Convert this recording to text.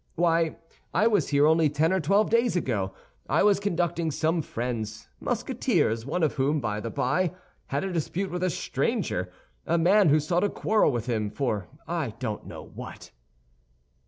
Why I was here only ten or twelve days ago. I was conducting some friends, Musketeers, one of whom, by the by, had a dispute with a stranger—a man who sought a quarrel with him, for I don't know what."